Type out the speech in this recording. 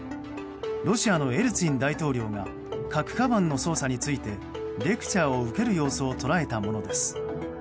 ロシアのエリツィン大統領が核かばんの操作についてレクチャーを受ける様子を捉えたものです。